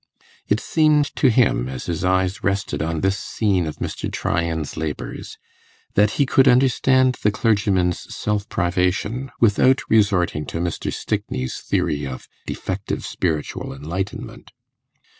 It seemed to him, as his eyes rested on this scene of Mr. Tryan's labours, that he could understand the clergyman's self privation without resorting to Mr. Stickney's theory of defective spiritual enlightenment.